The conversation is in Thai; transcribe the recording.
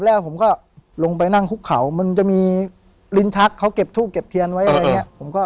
แล้วก็ลงไปนั่งฮุกเข่ามันจะมีมีลินทัศน์เขาเก็บทูบกับเทียมไว้นี่ผมก็